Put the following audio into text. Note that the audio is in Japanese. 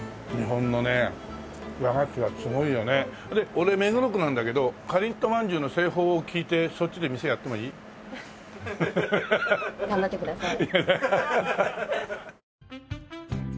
俺目黒区なんだけどかりんとまんじゅうの製法を聞いてそっちで店やってもいい？頑張ってください。